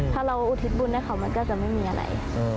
ถ้าเราอุทิศบุญให้เขามันก็จะไม่มีอะไร